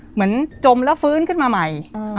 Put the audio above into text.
เหมือนจมแล้วฟื้นขึ้นมาใหม่